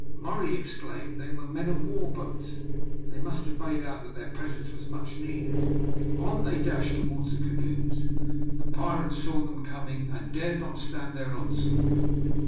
Murray exclaimed that they were men of war boats. They must have made out that their presence was much needed. On they dashed towards the canoes. The pirates saw them coming, and dared not stand their onslaught.